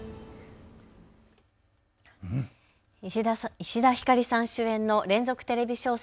石田ひかりさん主演の連続テレビ小説